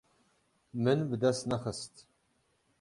Min bi dest nexist.